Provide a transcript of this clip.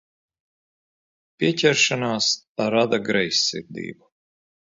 Pieķeršanās rada greizsirdību.